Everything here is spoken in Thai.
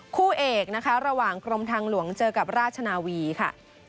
คู่เอกนะคะระหว่างกรมทางหลวงเจอกับราชนาวีค่ะ